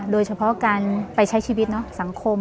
โดยเฉพาะการไปใช้ชีวิตสังคม